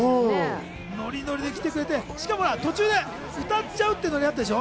ノリノリで来てくれて、しかも途中歌っちゃうっていうのあったでしょ？